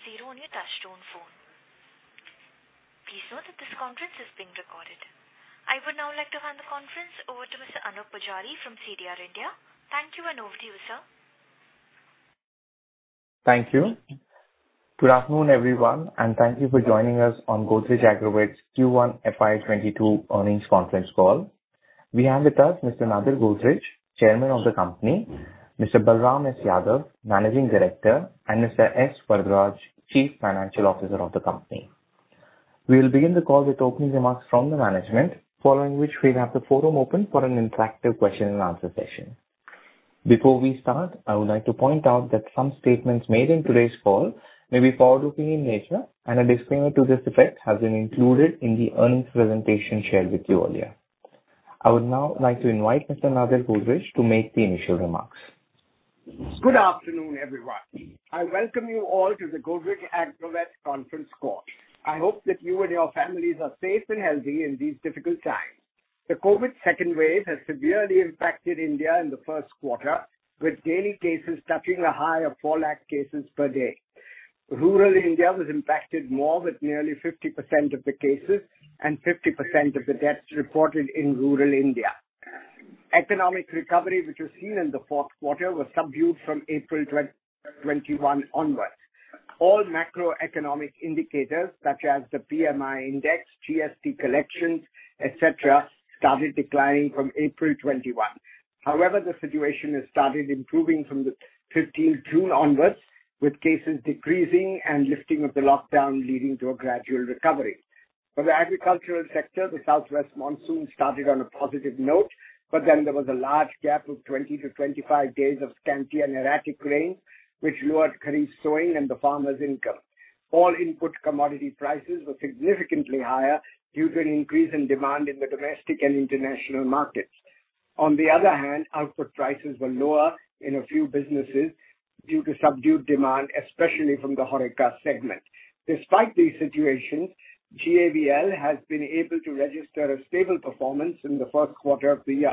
I would now like to hand the conference over to Mr. Anoop Poojari from CDR India. Thank you. Over to you, sir. Thank you. Good afternoon, everyone, and thank you for joining us on Godrej Agrovet's Q1 FY 2022 earnings conference call. We have with us Mr. Nadir Godrej, Chairman of the company, Mr. Balram S. Yadav, Managing Director, and Mr. S. Varadaraj, Chief Financial Officer of the company. We'll begin the call with opening remarks from the management, following which we'll have the forum open for an interactive question and answer session. Before we start, I would like to point out that some statements made in today's call may be forward-looking in nature, and a disclaimer to this effect has been included in the earnings presentation shared with you earlier. I would now like to invite Mr. Nadir Godrej to make the initial remarks. Good afternoon, everyone. I welcome you all to the Godrej Agrovet conference call. I hope that you and your families are safe and healthy in these difficult times. The COVID second wave has severely impacted India in the first quarter, with daily cases touching a high of 4 lakh cases per day. Rural India was impacted more with nearly 50% of the cases and 50% of the deaths reported in rural India. Economic recovery, which was seen in the fourth quarter, was subdued from April 2021 onwards. All macroeconomic indicators such as the PMI index, GST collections, et cetera, started declining from April 2021. However, the situation has started improving from the 15th June onwards, with cases decreasing and lifting of the lockdown leading to a gradual recovery. For the agricultural sector, the southwest monsoon started on a positive note, there was a large gap of 20-25 days of scanty and erratic rain, which lowered kharif sowing and the farmers' income. All input commodity prices were significantly higher due to an increase in demand in the domestic and international markets. On the other hand, output prices were lower in a few businesses due to subdued demand, especially from the HoReCa segment. Despite these situations, GAVL has been able to register a stable performance in the first quarter of the year.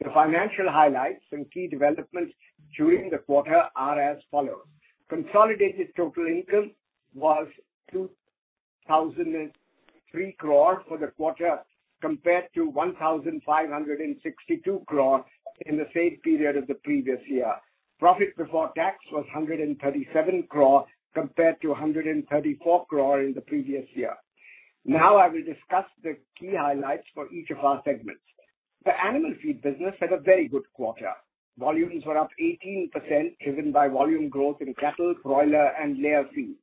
The financial highlights and key developments during the quarter are as follows. Consolidated total income was 2,003 crore for the quarter, compared to 1,562 crore in the same period of the previous year. Profit before tax was 137 crore compared to 134 crore in the previous year. Now I will discuss the key highlights for each of our segments. The animal feed business had a very good quarter. Volumes were up 18%, driven by volume growth in cattle, broiler, and layer feed.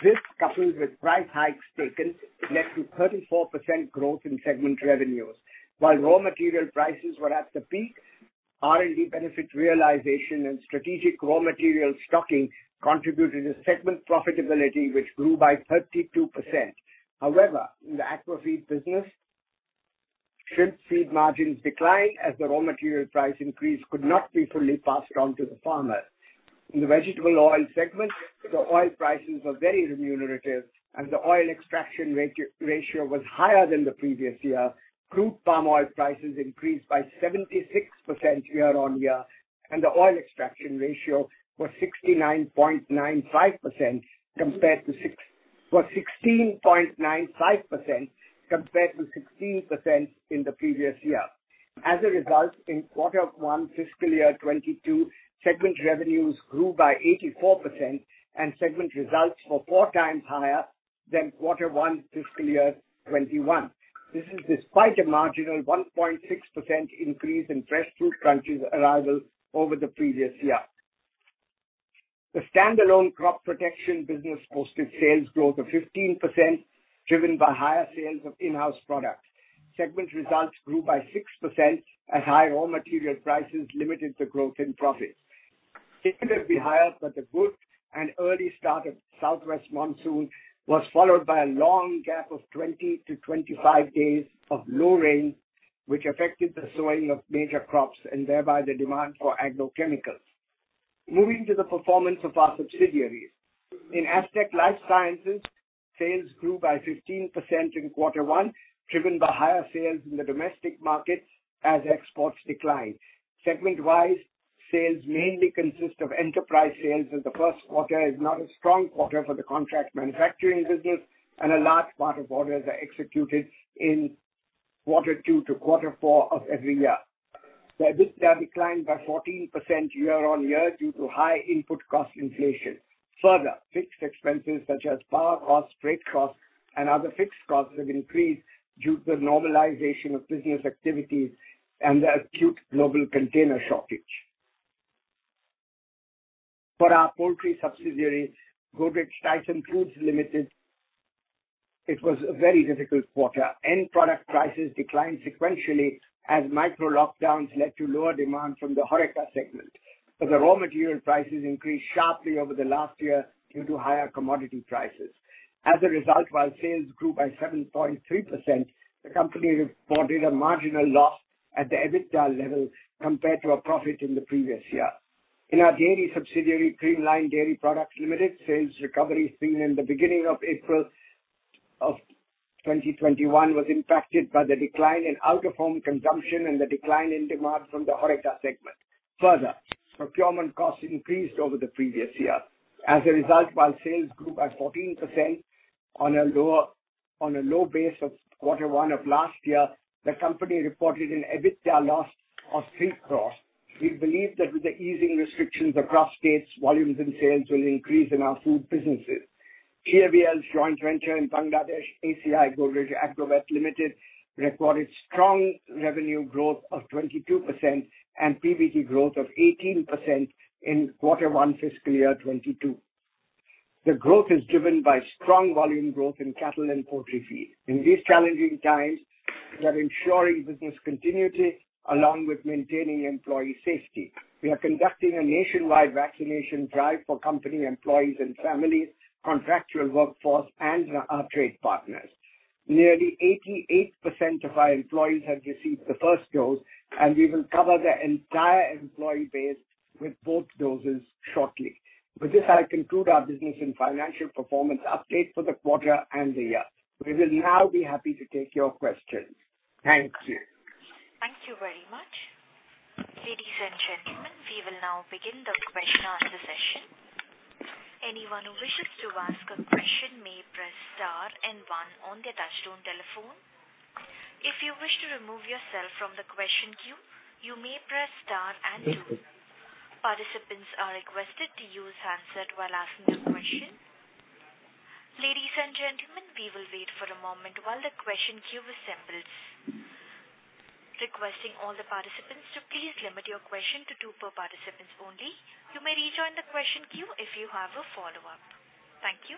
This, coupled with price hikes taken, led to 34% growth in segment revenues. While raw material prices were at the peak, R&D benefit realization and strategic raw material stocking contributed to segment profitability, which grew by 32%. However, in the aquafeed business, shrimp feed margins declined as the raw material price increase could not be fully passed on to the farmer. In the vegetable oil segment, the oil prices were very remunerative and the oil extraction ratio was higher than the previous year. Crude palm oil prices increased by 76% year-on-year, and the oil extraction ratio was 16.95% compared to 16% in the previous year. As a result, in quarter one fiscal year 2022, segment revenues grew by 84%, and segment results were 4x higher than quarter one fiscal year 2021. This is despite a marginal 1.6% increase in fresh fruit bunches arrival over the previous year. The standalone crop protection business posted sales growth of 15%, driven by higher sales of in-house products. Segment results grew by 6% as high raw material prices limited the growth in profit. It could have been higher, the good and early start of southwest monsoon was followed by a long gap of 20 to 25 days of low rain, which affected the sowing of major crops and thereby the demand for agrochemicals. Moving to the performance of our subsidiaries. In Astec LifeSciences, sales grew by 15% in quarter one, driven by higher sales in the domestic markets as exports declined. Segment-wise, sales mainly consist of enterprise sales, and the first quarter is not a strong quarter for the contract manufacturing business, and a large part of orders are executed in quarter two to quarter four of every year. The EBITDA declined by 14% year-on-year due to high input cost inflation. Further, fixed expenses such as power costs, freight costs, and other fixed costs have increased due to normalization of business activities and the acute global container shortage. For our poultry subsidiary, Godrej Tyson Foods Limited, it was a very difficult quarter. End product prices declined sequentially as micro-lockdowns led to lower demand from the HoReCa segment. The raw material prices increased sharply over the last year due to higher commodity prices. As a result, while sales grew by 7.3%, the company reported a marginal loss at the EBITDA level compared to a profit in the previous year. In our dairy subsidiary, Creamline Dairy Products Limited, sales recovery seen in the beginning of April of 2021 was impacted by the decline in out-of-home consumption and the decline in demand from the HoReCa segment. Further, procurement costs increased over the previous year. As a result, while sales grew by 14% on a low base of quarter one of last year, the company reported an EBITDA loss of 3 crore. We believe that with the easing restrictions across states, volumes and sales will increase in our food businesses. GAVL's joint venture in Bangladesh, ACI Godrej Agrovet Limited, recorded strong revenue growth of 22% and PBT growth of 18% in quarter one fiscal year 2022. The growth is driven by strong volume growth in cattle and poultry feed. In these challenging times, we are ensuring business continuity along with maintaining employee safety. We are conducting a nationwide vaccination drive for company employees and families, contractual workforce, and our trade partners. Nearly 88% of our employees have received the first dose, and we will cover the entire employee base with both doses shortly. With this, I conclude our business and financial performance update for the quarter and the year. We will now be happy to take your questions. Thank you. Thank you very much. Ladies and gentlemen, we will now begin the question and answer session. Anyone who wishes to ask a question may press star and one on their touchtone telephone. If you wish to remove yourself from the question queue, you may press star and two. Participants are requested to use handset while asking the question. Ladies and gentlemen, we will wait for a moment while the question queue assembles. Requesting all the participants to please limit your question to two per participant only. You may rejoin the question queue if you have a follow-up. Thank you.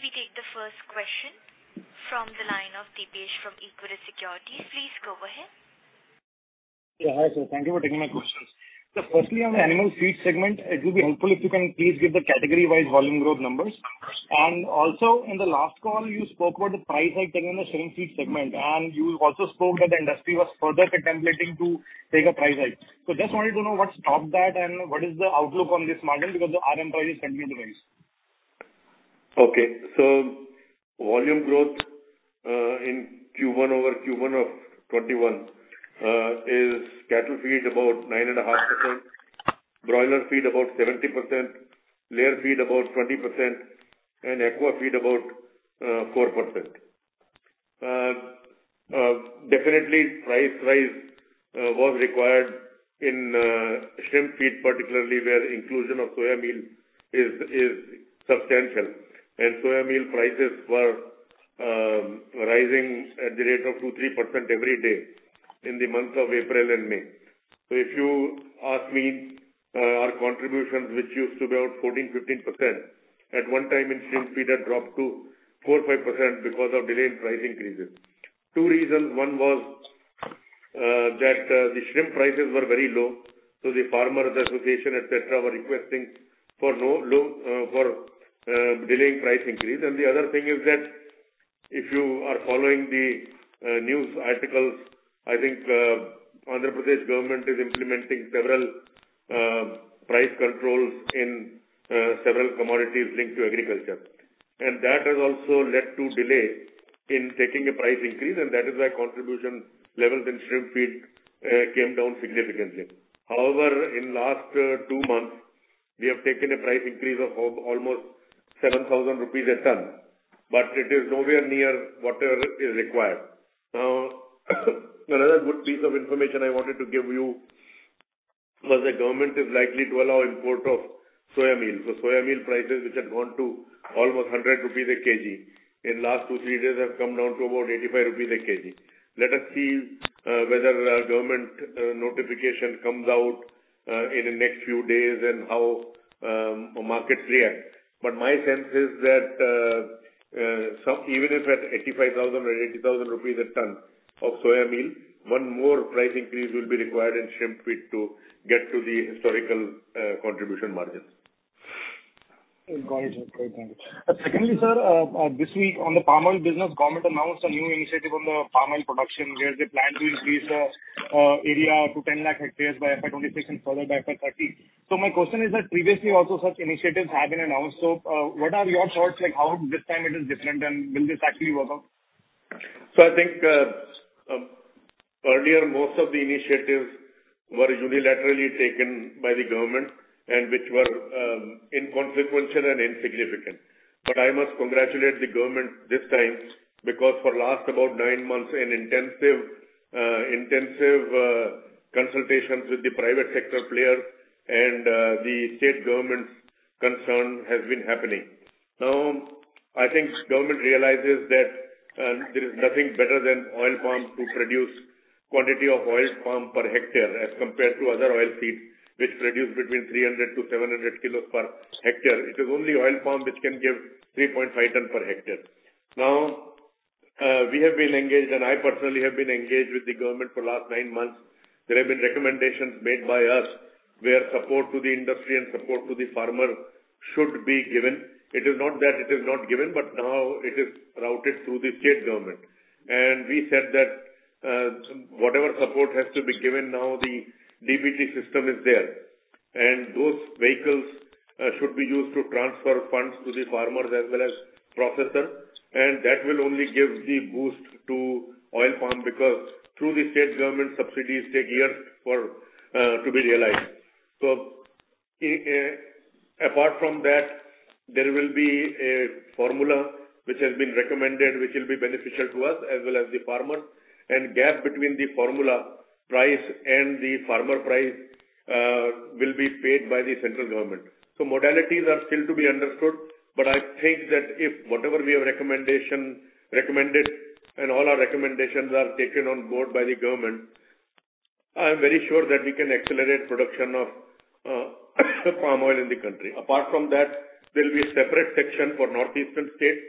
We take the first question from the line of Depesh from Equirus Securities. Please go ahead. Hi, sir. Thank you for taking my questions. Sir, firstly, on the animal feed segment, it will be helpful if you can please give the category-wide volume growth numbers. Also, in the last call, you spoke about the price hike taken in the shrimp feed segment, and you also spoke that the industry was further contemplating to take a price hike. Just wanted to know what stopped that, and what is the outlook on this margin because the RM price has continued to rise. Okay. Volume growth in Q1 over Q1 of 2021 is cattle feed about 9.5%, broiler feed about 17%, layer feed about 20%, and aqua feed about 4%. Definitely, price rise was required in shrimp feed, particularly where inclusion of soya meal is substantial. Soya meal prices were rising at the rate of 2, 3% every day in the months of April and May. If you ask me, our contributions, which used to be about 14%, 15% at one time in shrimp feed had dropped to 4%, 5% because of delayed price increases. Two reasons. One was that the shrimp prices were very low, so the farmer, the association, et cetera, were requesting for delaying price increase. The other thing is that if you are following the news articles, I think Andhra Pradesh government is implementing several price controls in several commodities linked to agriculture. That has also led to delay in taking a price increase, and that is why contribution levels in shrimp feed came down significantly. However, in last two months, we have taken a price increase of almost 7,000 rupees a ton, but it is nowhere near what is required. Another good piece of information I wanted to give you was the government is likely to allow import of soya meal. Soya meal prices, which had gone to almost 100 rupees a kg in last two, three days, have come down to about 85 rupees a kg. Let us see whether government notification comes out in the next few days and how markets react. My sense is that even if at 85,000 or 80,000 rupees a ton of soya meal, one more price increase will be required in shrimp feed to get to the historical contribution margins. Got it, sir. Great. Thank you. Secondly, sir, this week on the palm oil business, government announced a new initiative on the palm oil production, where they plan to increase area to 10 lakh hectares by FY 2026 and further by FY 2030. My question is that previously also such initiatives have been announced. What are your thoughts? How this time it is different, and will this actually work out? I think earlier, most of the initiatives were unilaterally taken by the government, and which were inconsequential and insignificant. I must congratulate the government this time because for last about nine months, an intensive consultations with the private sector player and the state government concerned has been happening. I think government realizes that there is nothing better than oil palm to produce quantity of oil palm per hectare as compared to other oilseed, which produce between 300 kilos-700 kilos per hectare. It is only oil palm which can give 3.5 tons per hectare. We have been engaged, and I personally have been engaged with the government for last nine months. There have been recommendations made by us where support to the industry and support to the farmer should be given. It is not that it is not given, but now it is routed through the state government. We said that whatever support has to be given, now the DBT system is there. Those vehicles should be used to transfer funds to the farmers as well as processors. That will only give the boost to oil palm, because through the state government, subsidies take years to be realized. Apart from that, there will be a formula which has been recommended which will be beneficial to us as well as the farmer. Gap between the formula price and the farmer price will be paid by the central government. Modalities are still to be understood, but I think that if whatever we have recommended, and all our recommendations are taken on board by the government, I'm very sure that we can accelerate production of palm oil in the country. Apart from that, there'll be a separate section for northeastern states,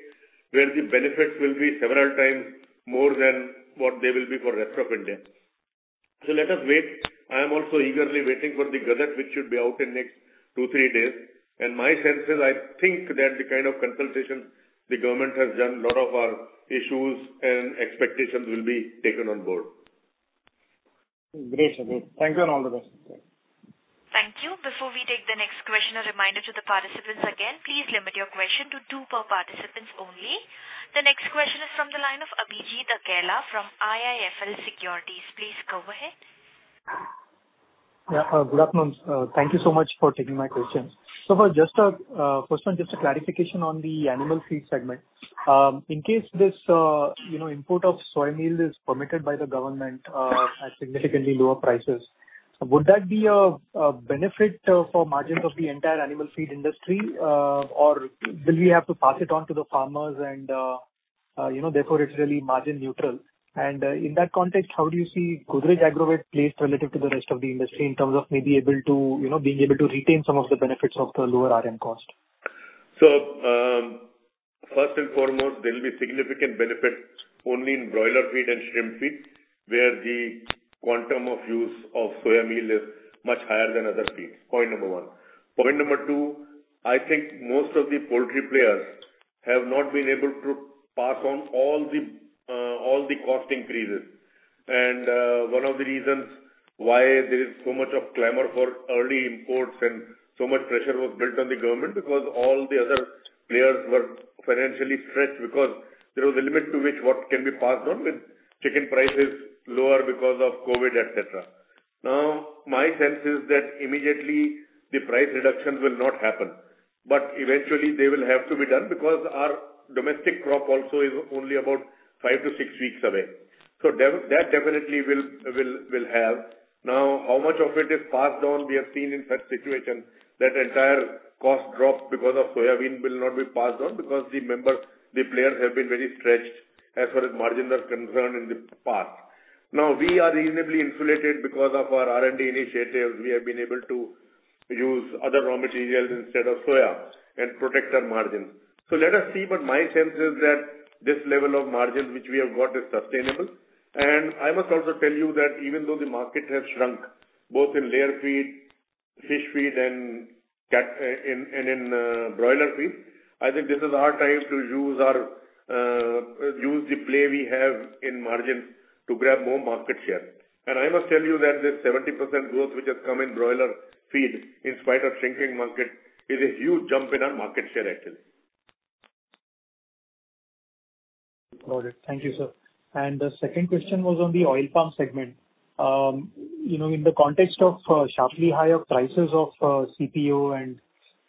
where the benefits will be several times more than what they will be for rest of India. Let us wait. I am also eagerly waiting for the gazette, which should be out in next two, three days. My sense is, I think that the kind of consultation the government has done, lot of our issues and expectations will be taken on board. Great. Thank you, and all the best. Thank you. Before we take the next question, a reminder to the participants again, please limit your question to two per participant only. The next question is from the line of Abhijit Akella from IIFL Securities. Please go ahead. Yeah. Good afternoon. Thank you so much for taking my questions. Sir, first, just a clarification on the animal feed segment. In case this import of soymeal is permitted by the government at significantly lower prices, would that be a benefit for margins of the entire animal feed industry? Will we have to pass it on to the farmers, and therefore, it's really margin neutral? In that context, how do you see Godrej Agrovet placed relative to the rest of the industry in terms of maybe being able to retain some of the benefits of the lower RM cost? First and foremost, there'll be significant benefits only in broiler feed and shrimp feed, where the quantum of use of soya meal is much higher than other feeds. Point number one. Point number two, I think most of the poultry players have not been able to pass on all the cost increases. One of the reasons why there is so much of clamor for early imports and so much pressure was built on the government because all the other players were financially stretched. There was a limit to which what can be passed on with chicken prices lower because of COVID, et cetera. My sense is that immediately the price reductions will not happen. Eventually they will have to be done, because our domestic crop also is only about five to six weeks away. That definitely will have. How much of it is passed on, we have seen in such situations that entire cost drop because of soybean will not be passed on because remember, the players have been very stretched as far as margins are concerned in the past. We are reasonably insulated because of our R&D initiatives. We have been able to use other raw materials instead of soybean and protect our margins. Let us see, but my sense is that this level of margins which we have got is sustainable. I must also tell you that even though the market has shrunk, both in layer feed, fish feed, and in broiler feed, I think this is our time to use the play we have in margins to grab more market share. I must tell you that the 70% growth which has come in broiler feed, in spite of shrinking market, is a huge jump in our market share actually. Got it. Thank you, sir. The second question was on the oil palm segment. In the context of sharply higher prices of CPO and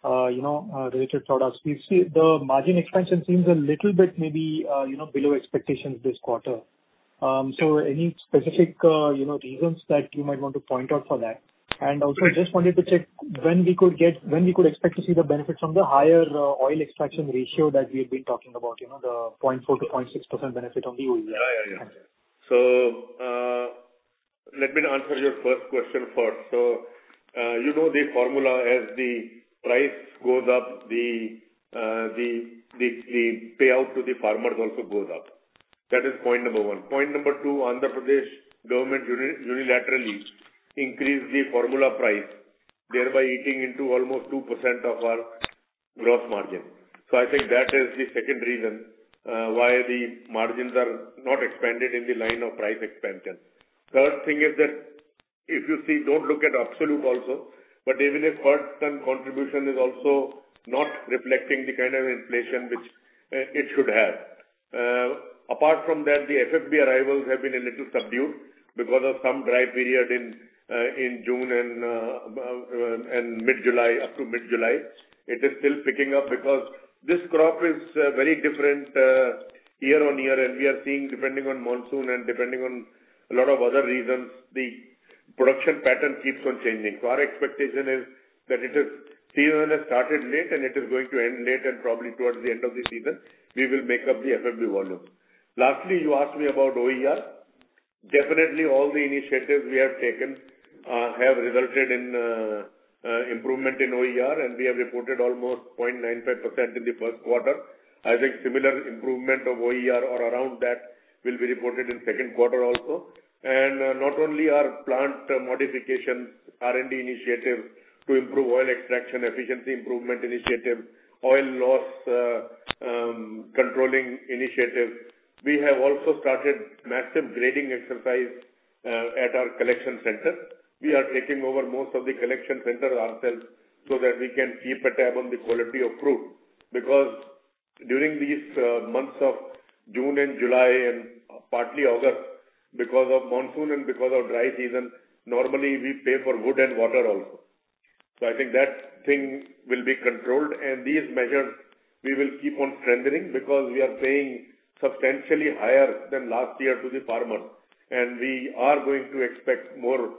related products, we see the margin expansion seems a little bit maybe below expectations this quarter. Any specific reasons that you might want to point out for that? Also, I just wanted to check when we could expect to see the benefit from the higher oil extraction ratio that we've been talking about, the 0.4%-0.6% benefit on the OER. Yeah. Let me answer your first question first. You know the formula. As the price goes up, the payout to the farmers also goes up. That is point number one. Point number two, Andhra Pradesh government unilaterally increased the formula price, thereby eating into almost 2% of our gross margin. I think that is the second reason why the margins are not expanded in the line of price expansion. Third thing is that if you see, don't look at absolute also, but even if certain contribution is also not reflecting the kind of inflation which it should have. Apart from that, the FFB arrivals have been a little subdued because of some dry period in June and up to mid-July. It is still picking up because this crop is very different year-on-year. We are seeing, depending on monsoon and depending on a lot of other reasons, the production pattern keeps on changing. Our expectation is that its season has started late, and it is going to end late, and probably towards the end of the season, we will make up the FFB volume. Lastly, you asked me about OER. Definitely all the initiatives we have taken have resulted in improvement in OER, and we have reported almost 0.95% in the first quarter. I think similar improvement of OER or around that will be reported in second quarter also. Not only our plant modifications, R&D initiative to improve oil extraction, efficiency improvement initiative, oil loss controlling initiative. We have also started massive grading exercise at our collection center. We are taking over most of the collection center ourselves so that we can keep a tab on the quality of fruit. Because during these months of June and July and partly August, because of monsoon and because of dry season, normally we pay for wood and water also. I think that thing will be controlled. These measures we will keep on strengthening because we are paying substantially higher than last year to the farmer, and we are going to expect more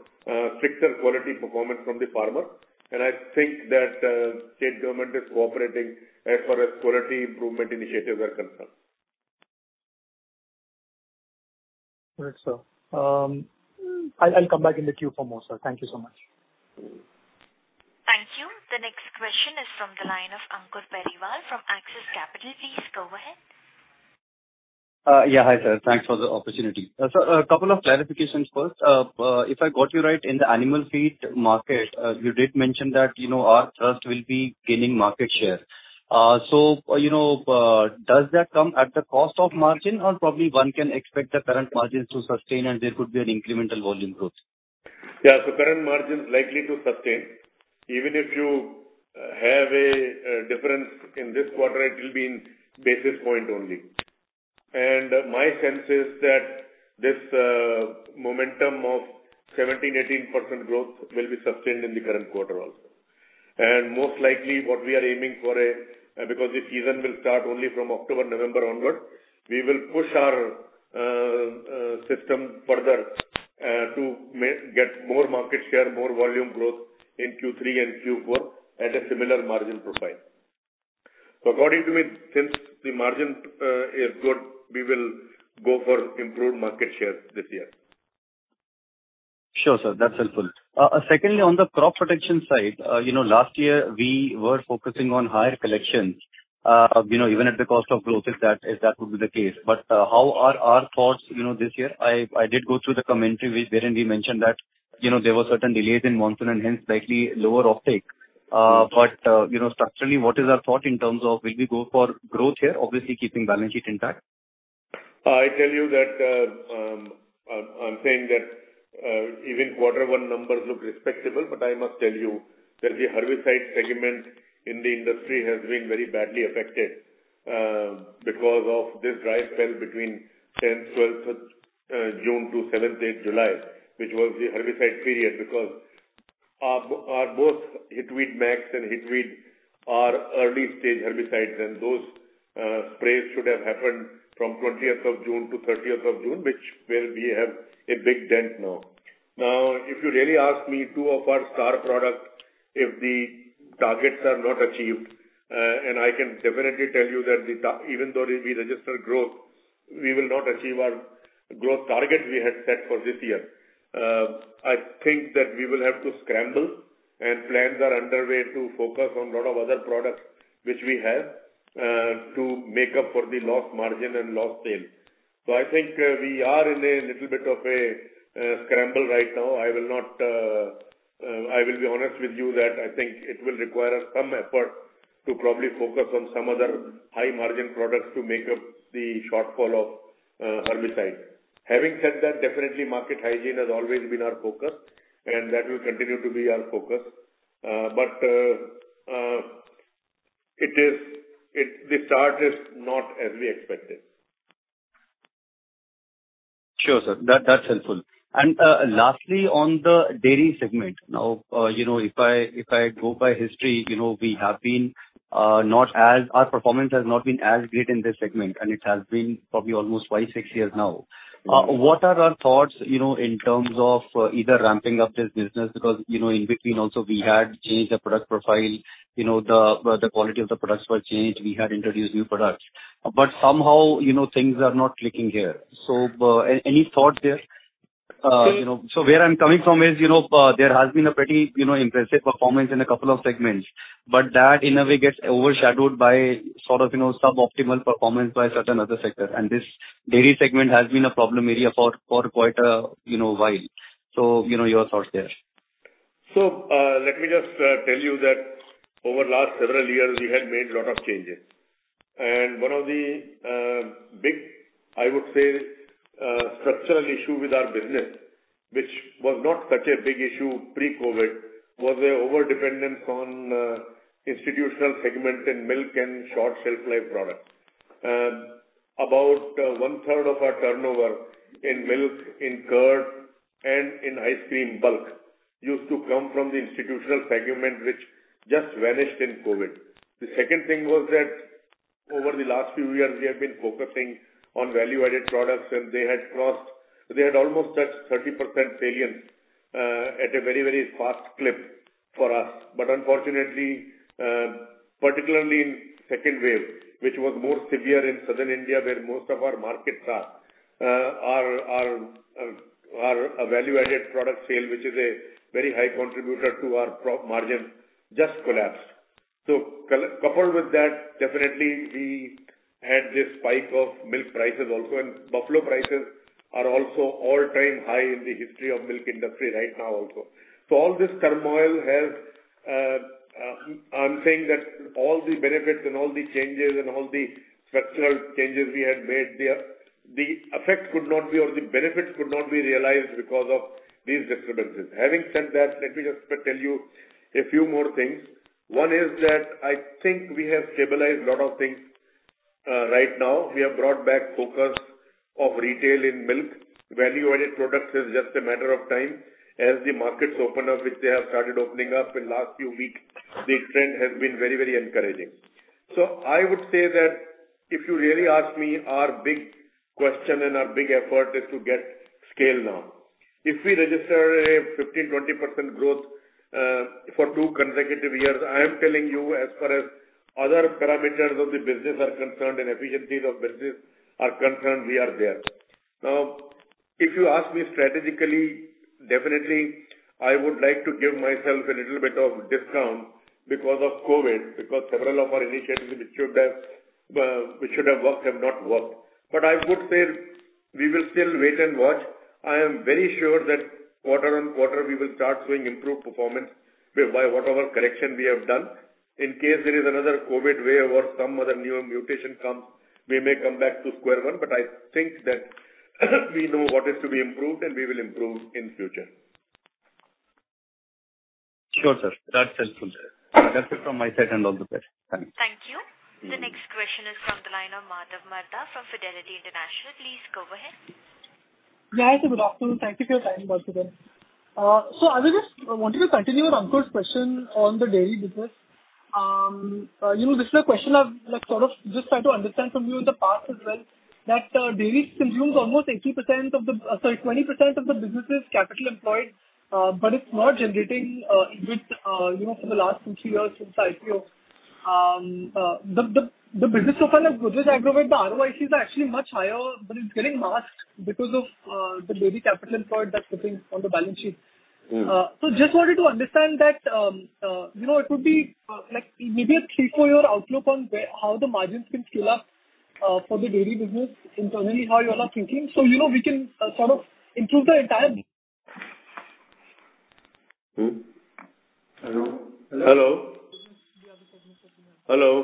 stricter quality performance from the farmer. I think that state government is cooperating as far as quality improvement initiatives are concerned. Right, sir. I'll come back in the queue for more, sir. Thank you so much. Thank you. The next question is from the line of Ankur Periwal from Axis Capital. Please go ahead. Yeah. Hi, sir. Thanks for the opportunity. Sir, a couple of clarifications first. If I got you right, in the animal feed market, you did mention that our thrust will be gaining market share. Does that come at the cost of margin or probably one can expect the current margins to sustain and there could be an incremental volume growth? Yeah. Current margin is likely to sustain. Even if you have a difference in this quarter, it will be in basis point only. My sense is that this momentum of 17%-18% growth will be sustained in the current quarter also. Most likely what we are aiming for, because the season will start only from October, November onward, we will push our system further to get more market share, more volume growth in Q3 and Q4 at a similar margin profile. According to me, since the margin is good, we will go for improved market share this year. Sure, sir. That's helpful. Secondly, on the crop protection side, last year we were focusing on higher collections, even at the cost of growth, if that would be the case. How are our thoughts this year? I did go through the commentary wherein we mentioned that there were certain delays in monsoon and hence slightly lower offtake. Structurally, what is our thought in terms of will we go for growth here, obviously keeping balance sheet intact? I'm saying that even quarter one numbers look respectable, but I must tell you that the herbicide segment in the industry has been very badly affected because of this dry spell between 10th-12th June to 7th-8th July, which was the herbicide period. Both Hitweed Maxx and Hitweed are early-stage herbicides and those sprays should have happened from 20th-30th of June, which where we have a big dent now. Now, if you really ask me, two of our star products, if the targets are not achieved, and I can definitely tell you that even though we registered growth, we will not achieve our growth target we had set for this year. I think that we will have to scramble, and plans are underway to focus on lot of other products which we have to make up for the lost margin and lost sale. I think we are in a little bit of a scramble right now. I will be honest with you that I think it will require us some effort to probably focus on some other high margin products to make up the shortfall of herbicide. Having said that, definitely market hygiene has always been our focus, and that will continue to be our focus. The start is not as we expected. Sure, sir. That's helpful. Lastly, on the dairy segment. If I go by history, our performance has not been as great in this segment, and it has been probably almost five, six years now. What are our thoughts in terms of either ramping up this business because in between also we had changed the product profile, the quality of the products were changed, we had introduced new products. Somehow things are not clicking here. Any thought there? Where I'm coming from is, there has been a pretty impressive performance in a couple of segments, but that in a way gets overshadowed by sort of suboptimal performance by certain other sectors. This dairy segment has been a problem area for quite a while. Your thoughts there. Let me just tell you that over last several years, we had made lot of changes. One of the big, I would say, structural issue with our business, which was not such a big issue pre-COVID, was the overdependence on institutional segment in milk and short shelf-life products. About 1/3 of our turnover in milk, in curd, and in ice cream bulk used to come from the institutional segment, which just vanished in COVID. The second thing was that over the last few years, we have been focusing on value-added products, and they had almost touched 30% salience at a very, very fast clip for us. Unfortunately, particularly in second wave, which was more severe in Southern India where most of our markets are, our value-added product sale, which is a very high contributor to our profit margin, just collapsed. Coupled with that, definitely we had this spike of milk prices also, and buffalo prices are also all-time high in the history of milk industry right now also. I'm saying that all the benefits and all the changes and all the structural changes we had made there, the effect could not be, or the benefits could not be realized because of these disturbances. Having said that, let me just tell you a few more things. One is that I think we have stabilized a lot of things right now. We have brought back focus of retail in milk. Value-added products is just a matter of time. As the markets open up, which they have started opening up in last few weeks, the trend has been very encouraging. I would say that, if you really ask me, our big question and our big effort is to get scale now. If we register a 15%, 20% growth for two consecutive years, I am telling you, as far as other parameters of the business are concerned and efficiencies of business are concerned, we are there. Now, if you ask me strategically, definitely, I would like to give myself a little bit of discount because of COVID, because several of our initiatives which should have worked have not worked. I would say we will still wait and watch. I am very sure that quarter on quarter, we will start seeing improved performance by whatever correction we have done. In case there is another COVID wave or some other new mutation comes, we may come back to square one. I think that we know what is to be improved, and we will improve in future. Sure, sir. That's helpful, sir. That's it from my side and off the page. Thanks. Thank you. The next question is from the line of Madhav Marda from Fidelity International. Please go ahead. Good afternoon. Thank you for your time once again. I was just wanting to continue on Ankur's question on the dairy business. This is a question I've just tried to understand from you in the past as well, that dairy consumes almost 20% of the business' capital employed, but it's not generating EBIT for the last two, three years since the IPO. The business of Godrej Agrovet, the ROICs are actually much higher, but it's getting masked because of the dairy capital employed that's sitting on the balance sheet. Just wanted to understand that. It could be maybe a three, four-year outlook on how the margins can scale up for the dairy business internally, how you all are thinking. So you know, we can include the entire— Hello. Hello. Hello.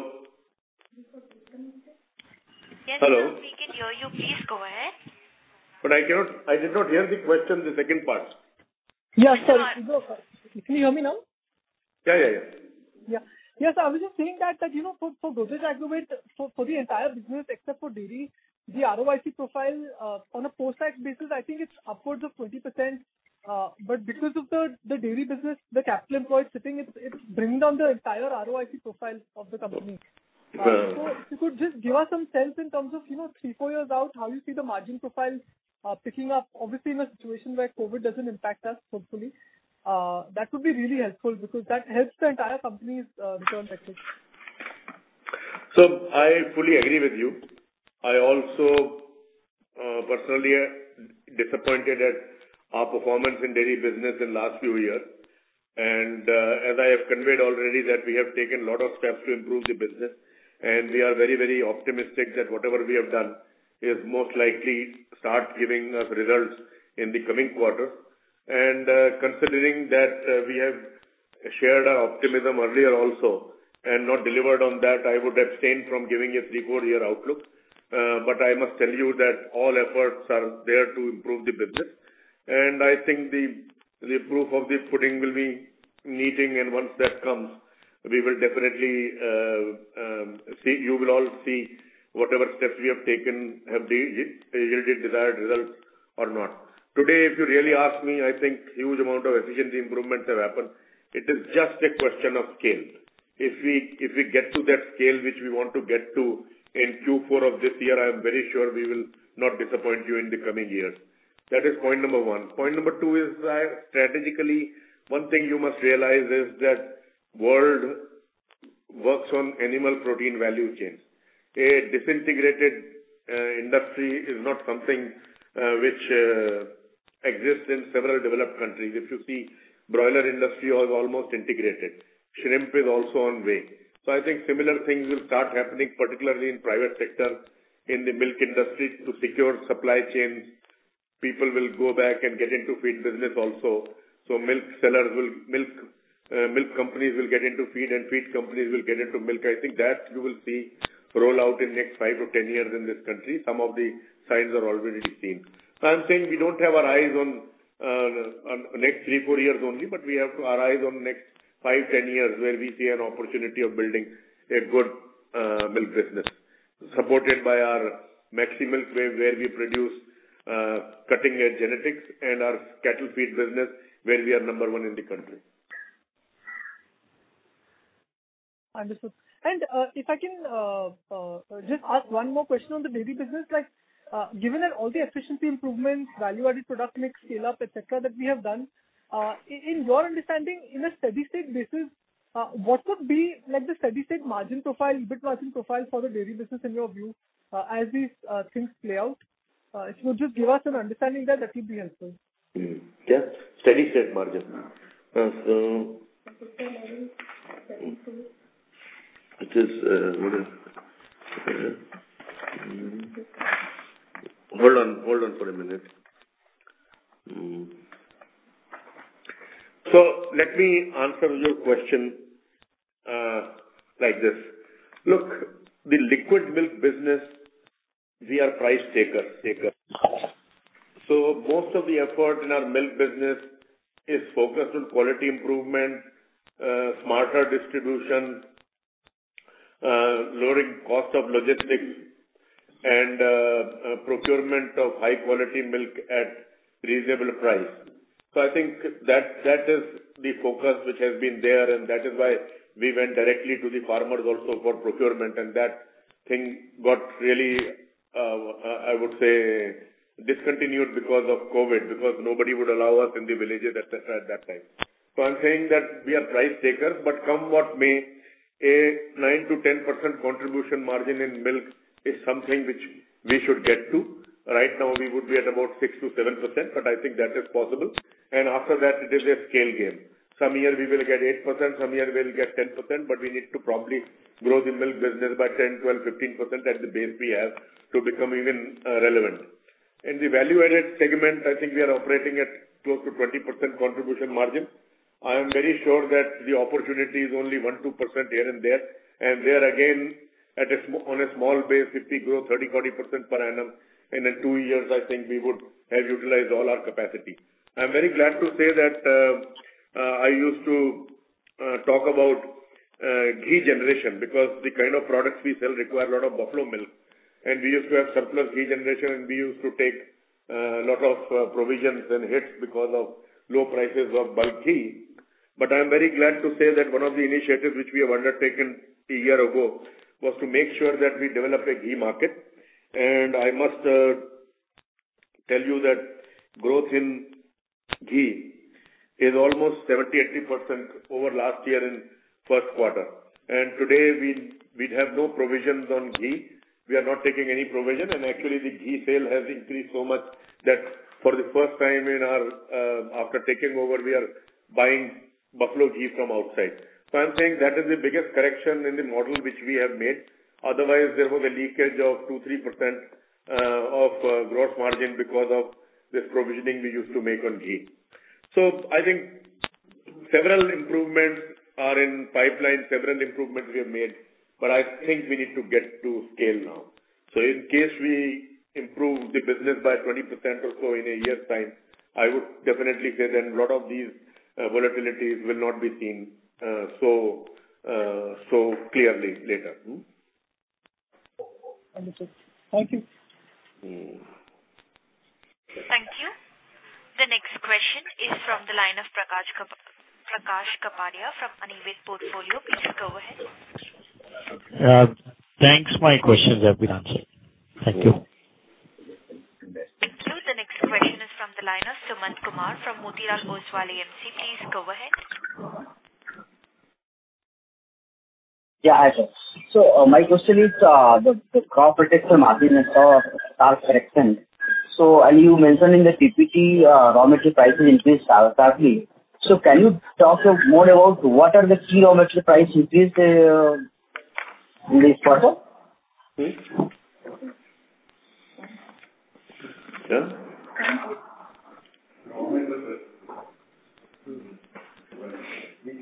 Yes, we can hear you. Please go ahead. I did not hear the question, the second part. Yeah, sorry. Can you hear me now? Yeah. I was just saying that, for Godrej Agrovet, for the entire business except for dairy, the ROIC profile on a post-tax basis, I think it's upwards of 20%. Because of the dairy business, the capital employed sitting, it's bringing down the entire ROIC profile of the company. If you could just give us some sense in terms of three, four years out, how you see the margin profile picking up, obviously, in a situation where COVID doesn't impact us, hopefully. That would be really helpful because that helps the entire company's return actually. I fully agree with you. I also personally am disappointed at our performance in dairy business in last few years. As I have conveyed already that we have taken a lot of steps to improve the business, and we are very optimistic that whatever we have done is most likely start giving us results in the coming quarter. Considering that we have shared our optimism earlier also and not delivered on that, I would abstain from giving a three, four-year outlook. I must tell you that all efforts are there to improve the business. I think the proof of the pudding will be meeting and once that comes, you will all see whatever steps we have taken have yielded desired results or not. Today, if you really ask me, I think huge amount of efficiency improvements have happened. It is just a question of scale. If we get to that scale which we want to get to in Q4 of this year, I am very sure we will not disappoint you in the coming years. That is point number one. Point number two is strategically, one thing you must realize is that world works on animal protein value chains. A disintegrated industry is not something which exists in several developed countries. If you see, broiler industry was almost integrated. Shrimp is also on way. I think similar things will start happening, particularly in private sector, in the milk industry to secure supply chains. People will go back and get into feed business also. Milk companies will get into feed and feed companies will get into milk. I think that you will see roll out in next 5-10 years in this country. Some of the signs are already seen. I'm saying we don't have our eyes on next three, four years only, but we have our eyes on next 5-10 years, where we see an opportunity of building a good milk business, supported by our Maxximilk, where we produce cutting-edge genetics and our cattle feed business, where we are number one in the country. Understood. If I can just ask one more question on the dairy business. Given that all the efficiency improvements, value-added product mix, scale-up, et cetera, that we have done, in your understanding, in a steady-state basis, what would be the steady-state margin profile, EBIT margin profile for the dairy business in your view, as these things play out? If you could just give us an understanding there, that would be helpful. Yeah. Steady-state margin. It is, let me see. Hold on for a minute. Let me answer your question like this. Look, the liquid milk business, we are price takers. Most of the effort in our milk business is focused on quality improvement, smarter distribution, lowering cost of logistics, and procurement of high quality milk at reasonable price. I think that is the focus which has been there, and that is why we went directly to the farmers also for procurement. That thing got really, I would say, discontinued because of COVID, because nobody would allow us in the villages, et cetera, at that time. I'm saying that we are price takers, but come what may, a 9%-10% contribution margin in milk is something which we should get to. Right now, we would be at about 6%-7%, but I think that is possible. After that, it is a scale game. Some year we will get 8%, some year we'll get 10%, but we need to probably grow the milk business by 10%, 12%, 15% at the base we have to become even relevant. In the value-added segment, I think we are operating at close to 20% contribution margin. I am very sure that the opportunity is only 1%-2% here and there. There again, on a small base, if we grow 30%-40% per annum, in two years, I think we would have utilized all our capacity. I'm very glad to say that I used to talk about ghee generation because the kind of products we sell require a lot of buffalo milk. We used to have surplus ghee generation, and we used to take a lot of provisions and hits because of low prices of bulk ghee. I'm very glad to say that one of the initiatives which we have undertaken a year ago was to make sure that we developed a ghee market. I must tell you that growth in ghee is almost 70%-80% over last year in first quarter. Today, we have no provisions on ghee. We are not taking any provision, and actually, the ghee sale has increased so much that for the first time after taking over, we are buying buffalo ghee from outside. I'm saying that is the biggest correction in the model which we have made. Otherwise, there was a leakage of 2%-3% of gross margin because of this provisioning we used to make on ghee. I think several improvements are in pipeline, several improvements we have made, but I think we need to get to scale now. In case we improve the business by 20% or so in a year's time, I would definitely say then a lot of these volatilities will not be seen so clearly later. Understood. Thank you. Thank you. The next question is from the line of Prakash Kapadia from Anived Portfolio. Please go ahead. Thanks. My questions have been answered. Thank you. Thank you. The next question is from the line of Suman Kumar from Motilal Oswal AMC. Please go ahead. Yeah, hi, sir. My question is, the crop protection margin I saw sharp correction. You mentioned in the PPT raw material prices increased sharply. Can you talk more about what are the key raw material price increase in this quarter? Yeah. Which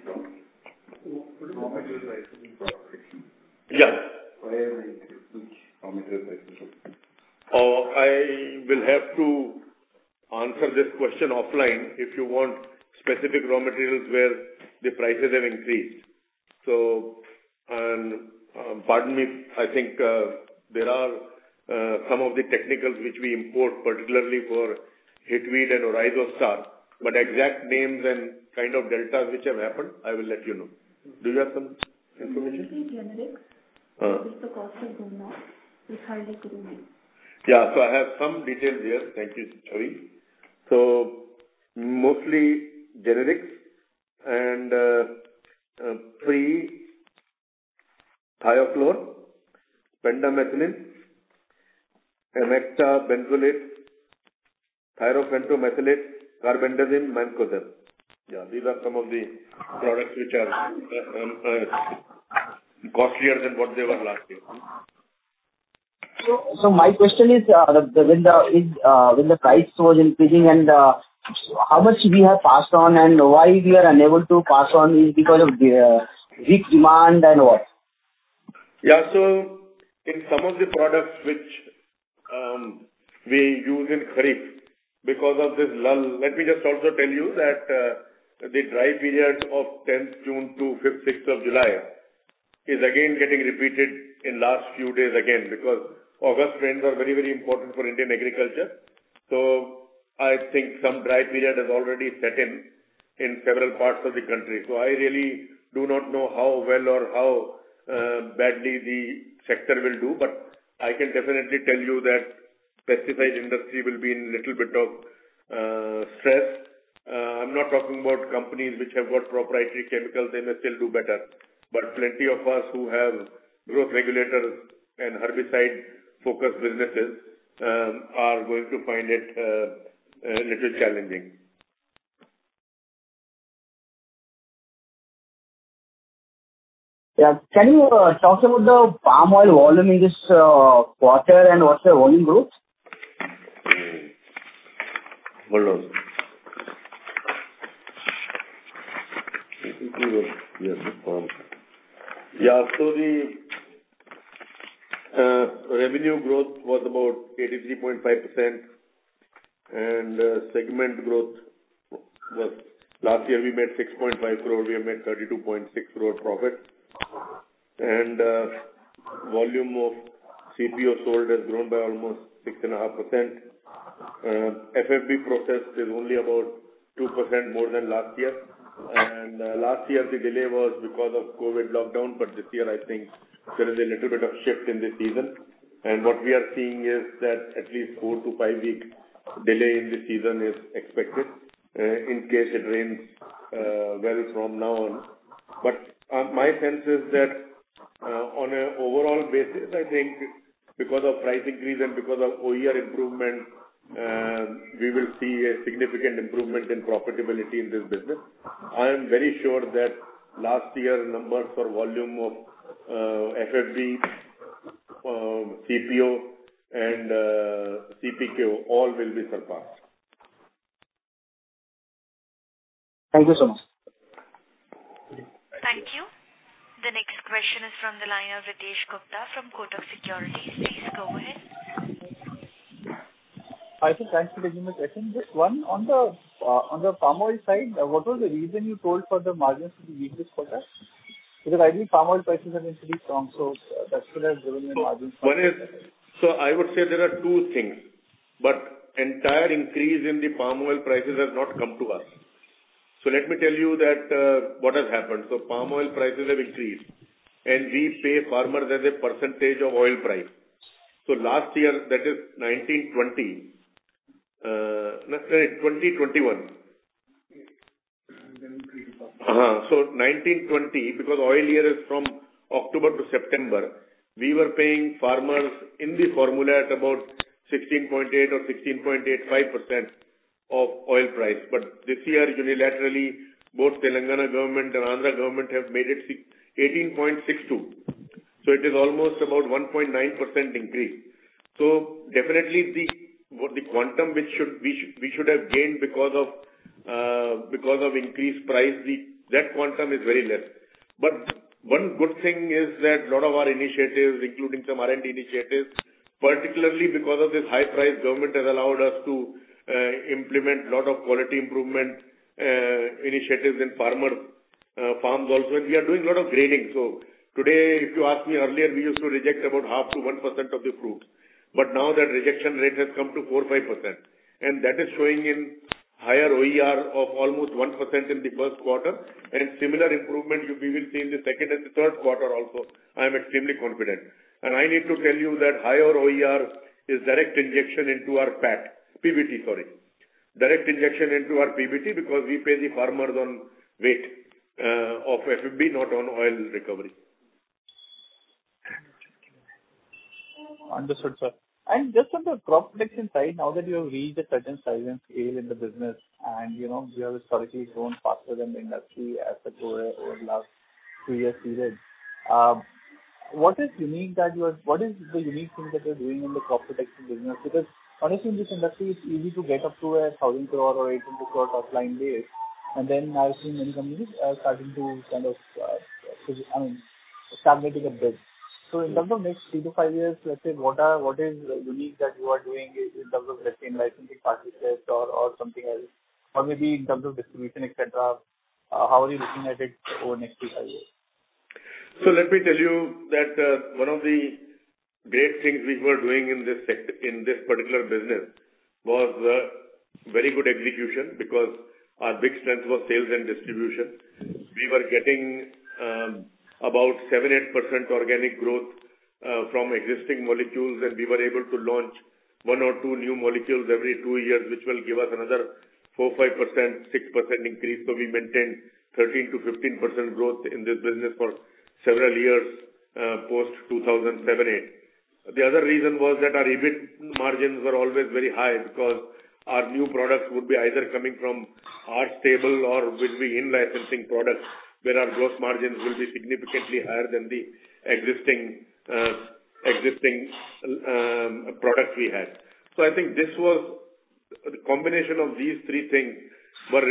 one? Raw material prices. Yeah. Why have the raw material prices increased? I will have to answer this question offline if you want specific raw materials where the prices have increased. Pardon me, I think there are some of the technicals which we import, particularly for Hitweed and Oryzostar. Exact names and kind of deltas which have happened, I will let you know. Do you have some information? Mostly generics. If the cost has gone up, it's hardly two names. I have some details here. Thank you, Chhavi. Mostly generics and pretilachlor, pendimethalin, emamectin benzoate, thiobencarb, carbendazim, mancozeb. These are some of the products which are costlier than what they were last year. My question is, when the price was increasing and how much we have passed on and why we are unable to pass on is because of weak demand and what? In some of the products which we use in kharif, because of this lull, let me just also tell you that the dry period of 10th June to 5th, 6th of July is again getting repeated in last few days again, because August rains are very important for Indian agriculture. I think some dry period has already set in several parts of the country. I really do not know how well or how badly the sector will do, I can definitely tell you that pesticide industry will be in little bit of stress. I'm not talking about companies which have got proprietary chemicals, they may still do better. Plenty of us who have growth regulator and herbicide-focused businesses are going to find it a little challenging. Yeah. Can you talk about the palm oil volume in this quarter and what's the volume growth? Hold on. Yeah. The revenue growth was about 83.5% and segment growth was last year we made 6.5 crore, we have made 32.6 crore profit. Volume of CPO sold has grown by almost 6.5%. FFB processed is only about 2% more than last year. Last year the delay was because of COVID lockdown. This year, I think there is a little bit of shift in the season. What we are seeing is that at least four-to-five-week delay in the season is expected, in case it rains, well from now on. My sense is that, on an overall basis, I think because of price increase and because of OER improvement, we will see a significant improvement in profitability in this business. I am very sure that last year's numbers for volume of FFB, CPO and PKO all will be surpassed. Thank you so much. Thank you. The next question is from the line of Ritesh Gupta from Kotak Securities. Please go ahead. Thanks for taking my question. Just one on the palm oil side. What was the reason you told for the margins to be weak this quarter? I think palm oil prices have increased from, so that should have driven the margins. I would say there are two things, but entire increase in the palm oil prices has not come to us. Let me tell you that, what has happened. Palm oil prices have increased, and we pay farmers as a percentage of oil price. Last year that is 2019-2020, no, 2020-2021. 2019-2020 because oil year is from October to September. We were paying farmers in the formula at about 16.8% or 16.85% of oil price. This year, unilaterally, both Telangana government and Andhra government have made it 18.62%. It is almost about 1.9% increase. Definitely the quantum we should have gained because of increased price, that quantum is very less. One good thing is that a lot of our initiatives, including some R&D initiatives, particularly because of this high price, government has allowed us to implement a lot of quality improvement initiatives in farms also. We are doing a lot of grading. Today, if you ask me earlier, we used to reject about 0.5% to 1% of the fruit, but now that rejection rate has come to 4%, 5%. That is showing in higher OER of almost 1% in the first quarter. Similar improvement you will see in the second and the third quarter also. I am extremely confident. I need to tell you that higher OER is direct injection into our PAT. PBT, sorry. Direct injection into our PBT because we pay the farmers on weight of FFB, not on oil recovery. Understood, sir. Just on the crop protection side, now that you have reached a certain scale in the business and you have historically grown faster than the industry as the overall last three-year period. What is the unique thing that you're doing in the crop protection business? Honestly, in this industry, it's easy to get up to 1,000 crore or 1,800 crore top line base. Then I've seen many companies are starting to kind of, I mean, stagnating a bit. In terms of next three to five years, let's say, what is unique that you are doing in terms of in-licensing partnerships or something else or maybe in terms of distribution, et cetera, how are you looking at it over next three, five years? Let me tell you that, one of the great things we were doing in this particular business was very good execution because our big strength was sales and distribution. We were getting about 7%, 8% organic growth from existing molecules. We were able to launch one or two new molecules every two years, which will give us another 4%, 5%, 6% increase. We maintained 13%-15% growth in this business for several years, post 2007, 2008. The other reason was that our EBIT margins were always very high because our new products would be either coming from our stable or will be in-licensing products where our gross margins will be significantly higher than the existing product we had. I think this was the combination of these three things were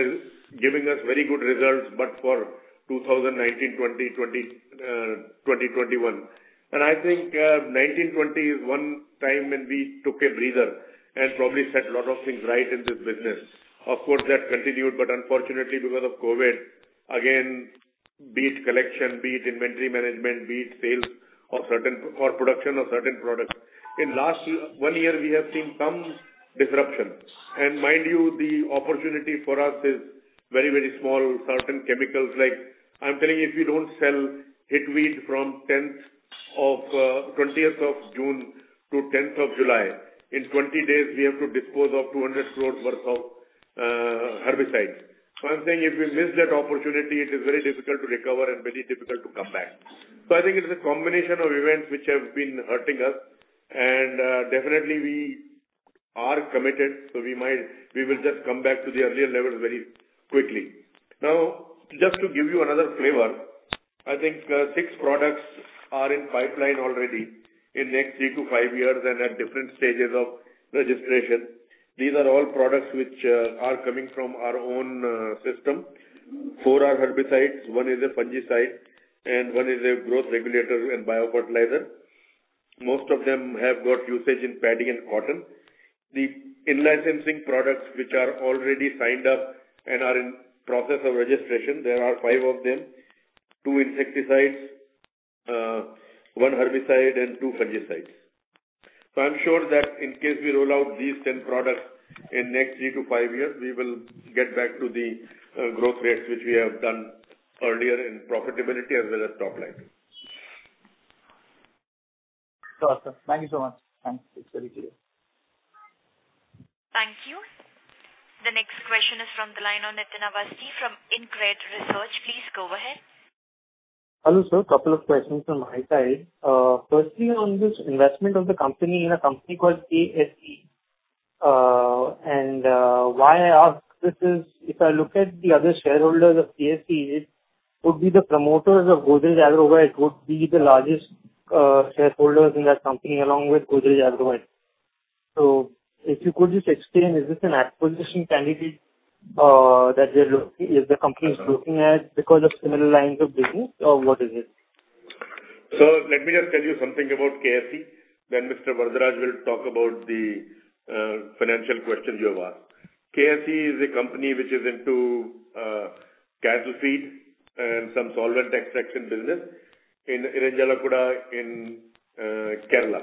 giving us very good results but for 2019, 2020, 2021. I think 2019-2020 is one time when we took a breather and probably set a lot of things right in this business. Of course, that continued, but unfortunately because of COVID, again, be it collection, be it inventory management, be it sales or production of certain products. In last one year we have seen some disruption. Mind you, the opportunity for us is very small. Certain chemicals like I'm telling you, if you don't sell Hitweed from 20th of June to 10th of July, in 20 days we have to dispose off 200 crore worth of herbicides. I'm saying if we miss that opportunity, it is very difficult to recover and very difficult to come back. I think it is a combination of events which have been hurting us and definitely we are committed, so we will just come back to the earlier levels very quickly. Just to give you another flavor, I think six products are in pipeline already in next three to five years and at different stages of registration. These are all products which are coming from our own system. four are herbicides, one is a fungicide, and one is a growth regulator and biofertilizer. Most of them have got usage in paddy and cotton. The in-licensing products which are already signed up and are in process of registration, there are five of them: two insecticides, one herbicide, and two fungicides. I'm sure that in case we roll out these 10 products in next three to five years, we will get back to the growth rates which we have done earlier in profitability as well as top line. Awesome. Thank you so much. It's very clear. Thank you. The next question is from the line of Nitin Awasthi from InCred Research. Please go ahead. Hello, sir. Couple of questions from my side. Firstly, on this investment of the company in a company called KSE. Why I ask this is, if I look at the other shareholders of KSE, it would be the promoters of Godrej Agrovet would be the largest shareholders in that company along with Godrej Agrovet. If you could just explain, is this an acquisition candidate that the company is looking at because of similar lines of business, or what is it? Sir, let me just tell you something about KSE, then Mr. Varadaraj will talk about the financial questions you have asked. KSE is a company which is into cattle feed and some solvent extraction business in Irinjalakuda in Kerala.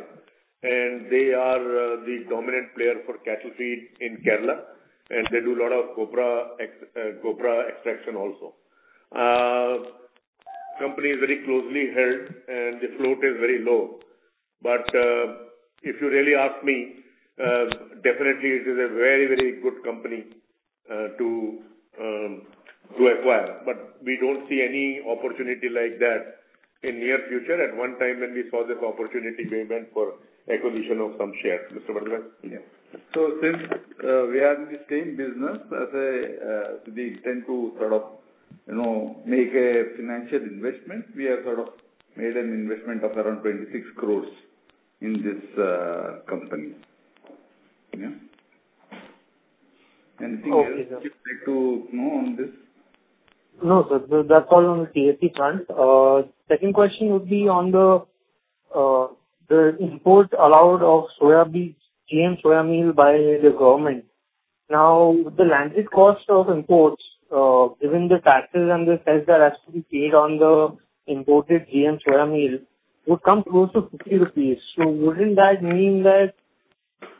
They are the dominant player for cattle feed in Kerala, and they do a lot of copra extraction also. Company is very closely held and the float is very low. If you really ask me, definitely it is a very good company to acquire. We don't see any opportunity like that in near future. At one time when we saw this opportunity, we went for acquisition of some shares. Mr. Varadaraj. Since we are in the same business, as we intend to sort of make a financial investment, we have sort of made an investment of around 26 crore in this company. Anything else you'd like to know on this? No, sir. That's all on the KSE front. Second question would be on the import allowed of GM soya meal by the government. Now, the landed cost of imports, given the taxes and the cess that has to be paid on the imported GM soya meal, would come close to 60 rupees. Wouldn't that mean that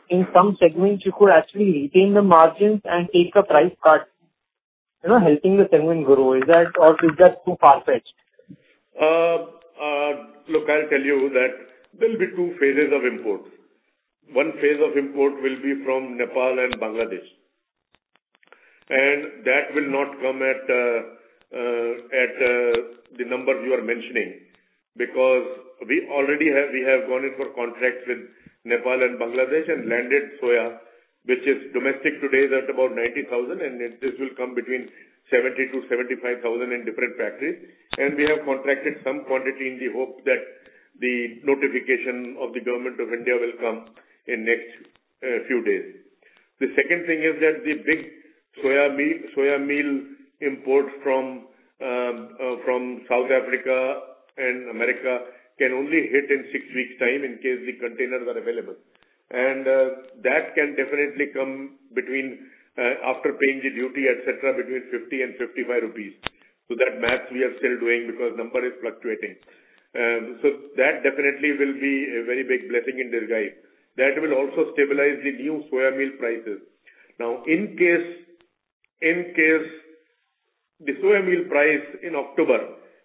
in some segments, you could actually retain the margins and take a price cut, helping the segment grow? Or is that too far-fetched? Look, I'll tell you that there'll be two phases of import. One phase of import will be from Nepal and Bangladesh. That will not come at the number you are mentioning, because we have already gone in for contracts with Nepal and Bangladesh and landed soya, which is domestic today is at about 90,000, and this will come between 70,000-75,000 in different factories. We have contracted some quantity in the hope that the notification of the Government of India will come in next few days. The second thing is that the big soya meal import from South Africa and America can only hit in six weeks' time in case the containers are available. That can definitely come between, after paying the duty, et cetera, between 50 and 55 rupees. That math we are still doing because number is fluctuating. That definitely will be a very big blessing in disguise. That will also stabilize the new soya meal prices. In case the soya meal price in October,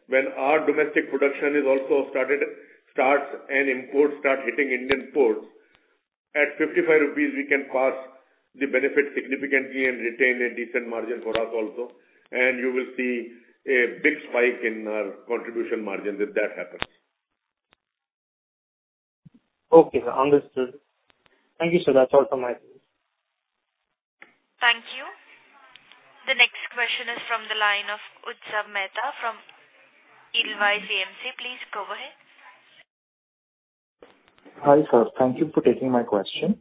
when our domestic production also starts and imports start hitting Indian ports, at 55 rupees, we can pass the benefit significantly and retain a decent margin for us also. You will see a big spike in our contribution margin if that happens. Okay, sir. Understood. Thank you, sir. That's all from my side. Thank you. The next question is from the line of Utsav Mehta from Edelweiss AMC. Please go ahead. Hi, sir. Thank you for taking my question.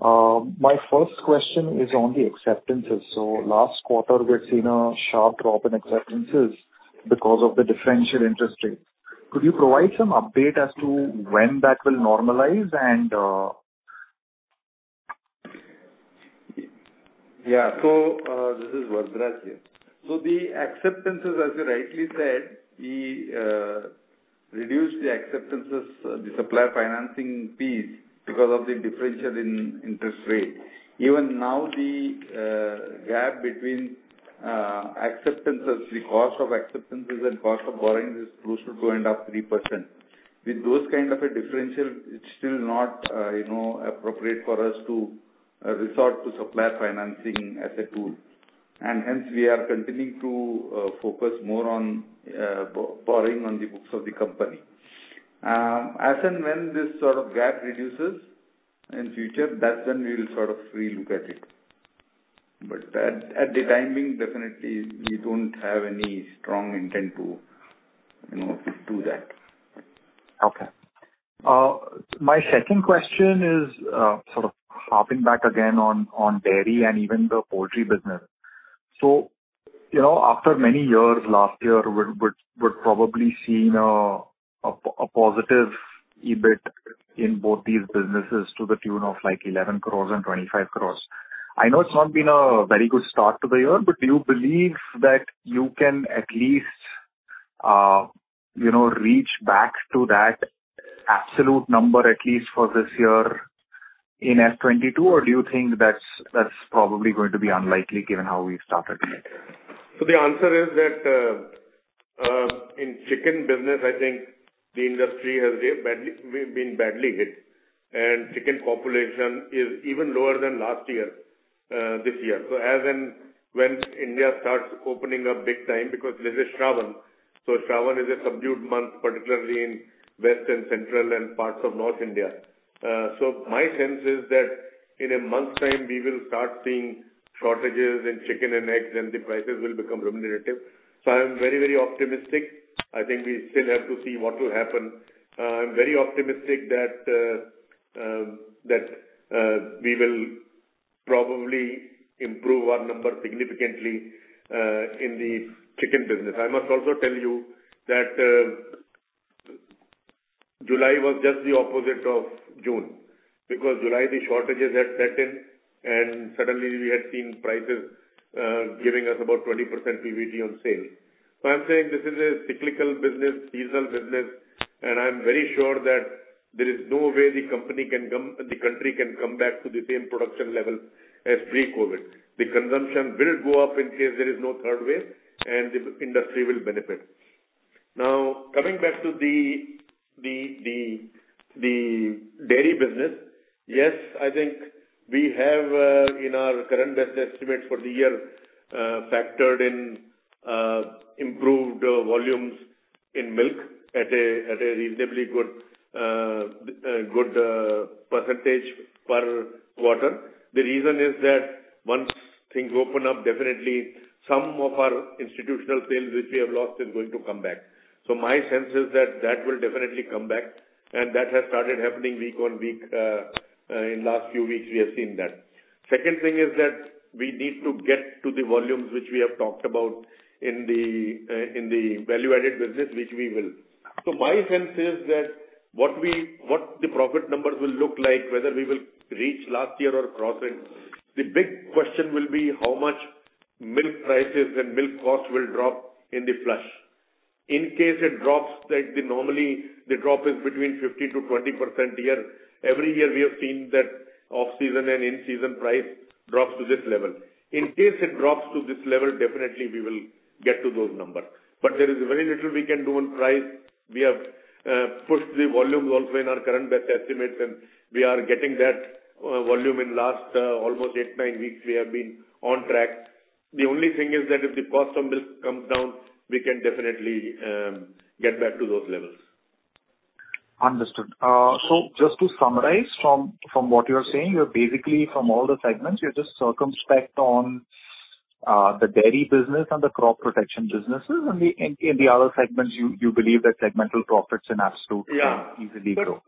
My first question is on the acceptances. Last quarter, we had seen a sharp drop in acceptances because of the differential interest rate. Could you provide some update as to when that will normalize? This is Varadaraj here. The acceptances, as you rightly said, we reduced the acceptances, the supplier financing piece because of the differential in interest rate. Even now, the gap between acceptances, the cost of acceptances and cost of borrowings is close to 2.5%-3%. With those kind of a differential, it is still not appropriate for us to resort to supplier financing as a tool. Hence we are continuing to focus more on borrowing on the books of the company. As and when this sort of gap reduces in future, that is when we will sort of re-look at it. At the time being, definitely we don't have any strong intent to do that. My second question is sort of hopping back again on dairy and even the poultry business. After many years, last year, we're probably seeing a positive EBIT in both these businesses to the tune of 11 crore and 25 crore. I know it's not been a very good start to the year, but do you believe that you can at least reach back to that absolute number, at least for this year in FY 2022? Do you think that's probably going to be unlikely given how we've started the year? The answer is that, in chicken business, I think the industry has been badly hit, and chicken population is even lower than last year, this year. As in when India starts opening up big time, because this is Shravan. Shravan is a subdued month, particularly in west and central and parts of North India. My sense is that in a month's time, we will start seeing shortages in chicken and eggs, and the prices will become remunerative. I am very optimistic. I think we still have to see what will happen. I'm very optimistic that we will probably improve our number significantly in the chicken business. I must also tell you that July was just the opposite of June. July, the shortages had set in, and suddenly we had seen prices giving us about 20% PBT on sales. I'm saying this is a cyclical business, seasonal business, and I'm very sure that there is no way the country can come back to the same production level as pre-COVID. The consumption will go up in case there is no third wave, and the industry will benefit. Coming back to the dairy business. Yes, I think we have, in our current best estimates for the year, factored in improved volumes in milk at a reasonably good percentage per quarter. The reason is that once things open up, definitely some of our institutional sales which we have lost are going to come back. My sense is that will definitely come back, and that has started happening week on week. In last few weeks, we have seen that. Second thing is that we need to get to the volumes which we have talked about in the value-added business, which we will. My sense is that what the profit numbers will look like, whether we will reach last year or cross it, the big question will be how much milk prices and milk costs will drop in the flush. In case it drops, like they normally drop between 15%-20% year. Every year we have seen that off-season and in-season price drops to this level. In case it drops to this level, definitely we will get to those numbers. There is very little we can do on price. We have pushed the volumes also in our current best estimates, and we are getting that volume. In last almost eight, nine weeks, we have been on track. The only thing is that if the cost of milk comes down, we can definitely get back to those levels. Understood. Just to summarize from what you're saying, you're basically from all the segments, you're just circumspect on the dairy business and the crop protection businesses. In the other segments, you believe that segmental profits can absolutely– Yeah can easily grow.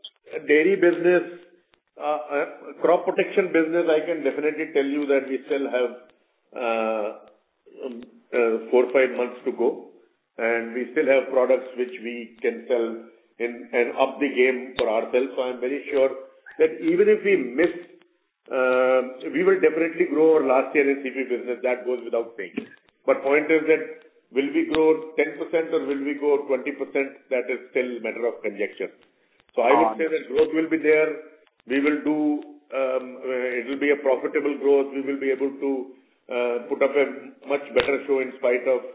Crop protection business, I can definitely tell you that we still have four, five months to go, and we still have products which we can sell and up the game for ourselves. I'm very sure that even if we missed, we will definitely grow our last year's CP business. That goes without saying. Point is that will we grow 10% or will we grow 20%? That is still a matter of conjecture. I would say that growth will be there. It will be a profitable growth. We will be able to put up a much better show in spite of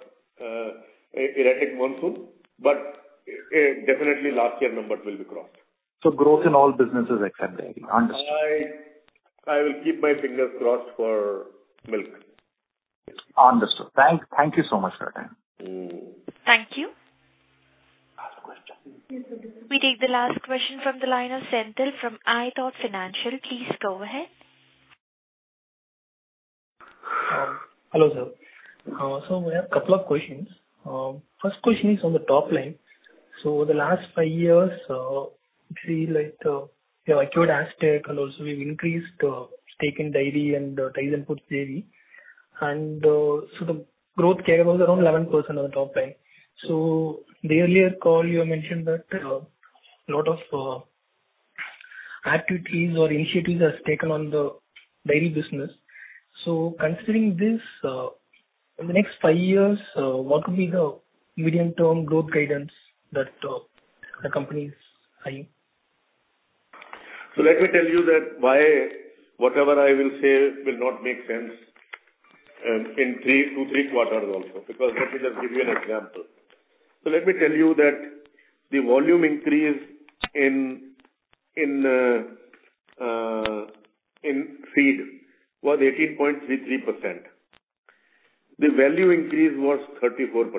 a erratic monsoon. Definitely last year numbers will be crossed. So, growth in all businesses except dairy. Understood. I will keep my fingers crossed for milk. Understood. Thank you so much for your time. Thank you. We take the last question from the line of Senthil from ithought Financial. Please go ahead. Hello, sir. I have a couple of questions. First question is on the top line. The last five years, actually, like we have acquired Astec and also, we've increased stake in dairy and Tyson Foods JV. The growth carrying was around 11% on the top line. The earlier call you mentioned that a lot of activities or initiatives are taken on the dairy business. Considering this, in the next five years, what could be the medium-term growth guidance that the company is eyeing? Let me tell you that why whatever I will say will not make sense in two, three quarters also. Let me just give you an example. Let me tell you that the volume increase in feed was 18.33%. The value increase was 34%.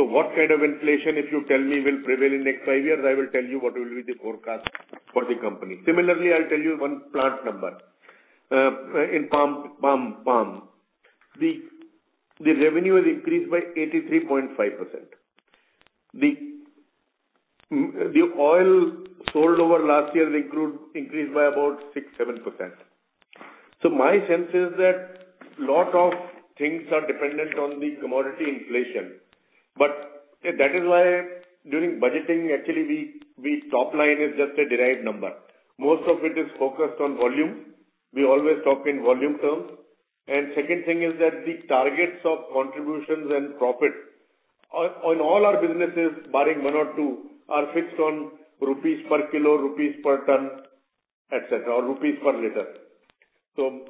What kind of inflation, if you tell me, will prevail in the next five years, I will tell you what will be the forecast for the company. Similarly, I'll tell you one plant number. In palm, the revenue has increased by 83.5%. The oil sold over last year increased by about 6%, 7%. My sense is that a lot of things are dependent on the commodity inflation. That is why during budgeting actually, top line is just a derived number. Most of it is focused on volume. We always talk in volume terms. Second thing is that the targets of contributions and profit on all our businesses, barring one or two, are fixed on rupees per kilo, rupees per ton, et cetera, or rupees per liter.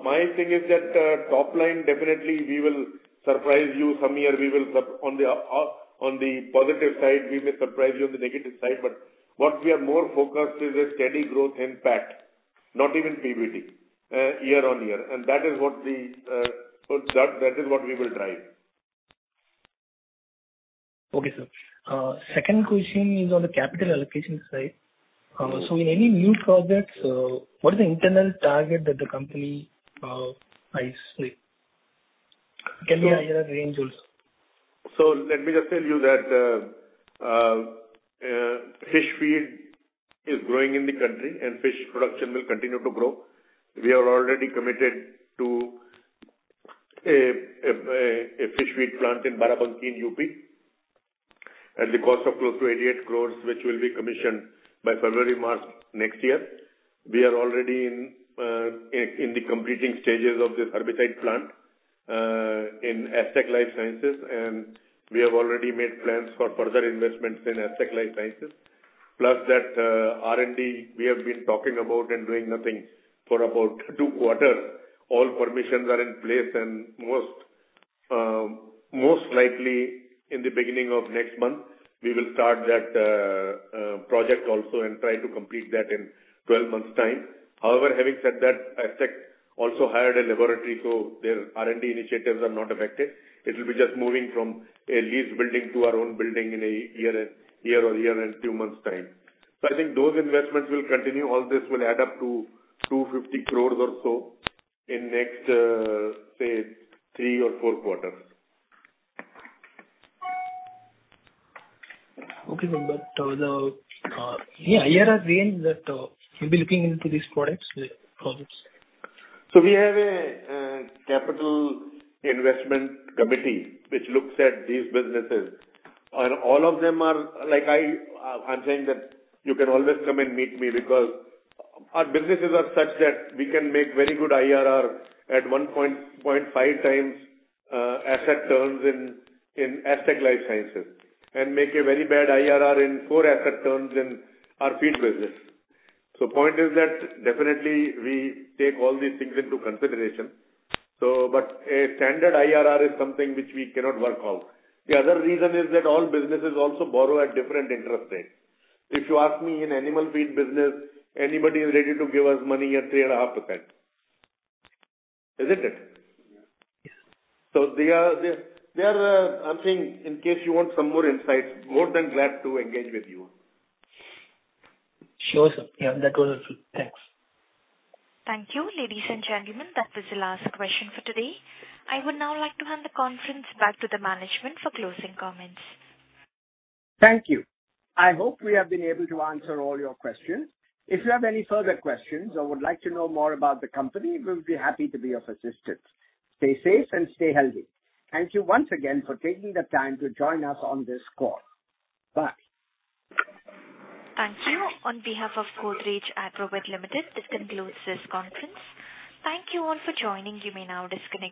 My thing is that top line, definitely we will surprise you some year. On the positive side, we may surprise you on the negative side, but what we are more focused is a steady growth in PAT, not even PBT, year-on-year. That is what we will drive. Okay, sir. Second question is on the capital allocation side. In any new projects, what is the internal target that the company eyes? Can be IRR range also. Let me just tell you that fish feed is growing in the country, and fish production will continue to grow. We are already committed to a fish feed plant in Barabanki in UP at the cost of close to 88 crore, which will be commissioned by February, March next year. We are already in the completing stages of this herbicide plant in Astec LifeSciences, and we have already made plans for further investments in Astec LifeSciences. That R&D we have been talking about and doing nothing for about two quarters. All permissions are in place and most likely in the beginning of next month, we will start that project also and try to complete that in 12 months' time. However, having said that, Astec also hired a laboratory, so their R&D initiatives are not affected. It will be just moving from a leased building to our own building in a year or a year and two months' time. I think those investments will continue. All this will add up to 250 crore or so in the next, say, three or four quarters. Okay. The IRR range that you'll be looking into these products, projects? We have a capital investment committee which looks at these businesses, and all of them are I'm saying that you can always come and meet me because our businesses are such that we can make very good IRR at 1.5x asset turns in Astec LifeSciences and make a very bad IRR in four asset turns in our feed business. Point is that definitely we take all these things into consideration. A standard IRR is something which we cannot work out. The other reason is that all businesses also borrow at different interest rates. If you ask me, in animal feed business, anybody is ready to give us money at 3.5%. Isn't it? Yes. I'm saying in case you want some more insights, more than glad to engage with you. Sure, sir. Yeah, that was it. Thanks. Thank you, ladies and gentlemen. That was the last question for today. I would now like to hand the conference back to the management for closing comments. Thank you. I hope we have been able to answer all your questions. If you have any further questions or would like to know more about the company, we will be happy to be of assistance. Stay safe and stay healthy. Thank you once again for taking the time to join us on this call. Bye. Thank you. On behalf of Godrej Agrovet Limited, this concludes this conference. Thank you all for joining. You may now disconnect.